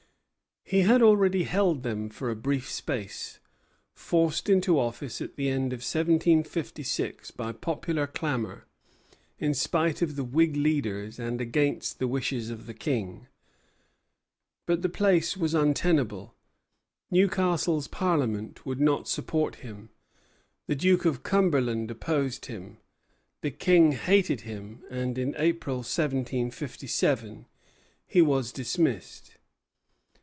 He had already held them for a brief space, forced into office at the end of 1756 by popular clamor, in spite of the Whig leaders and against the wishes of the King. But the place was untenable. Newcastle's Parliament would not support him; the Duke of Cumberland opposed him; the King hated him; and in April, 1757, he was dismissed.